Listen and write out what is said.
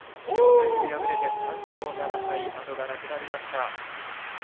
千代大龍は敗れて３勝７敗後がなくなりました。